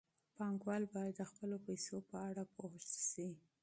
پانګوال باید د خپلو پیسو په اړه پوه شي.